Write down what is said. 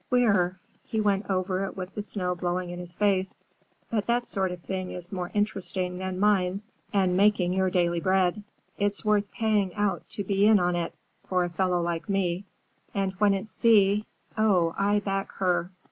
"Queer,"—he went over it with the snow blowing in his face,—"but that sort of thing is more interesting than mines and making your daily bread. It's worth paying out to be in on it,—for a fellow like me. And when it's Thea—Oh, I back her!"